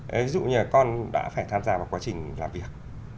đấy ví dụ như là con đã phải tham gia vào quá trình làm việc